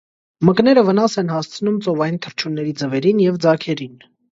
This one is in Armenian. Մկները վնաս են հասցնում ծովային թռչունների ձվերին և ձագերին։